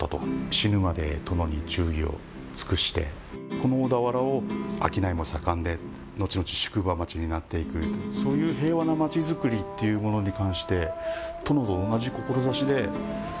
死ぬまで殿に忠義を尽くしてこの小田原を商いも盛んでのちのち宿場町になっていく、そういう平和なまちづくりというものに関して殿と同じ志で。